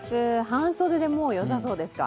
半袖でよさそうですか。